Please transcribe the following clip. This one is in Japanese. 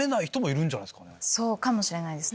そうかもしれないです。